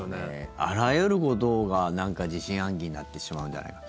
あらゆることが何か疑心暗鬼になってしまうんじゃないかと。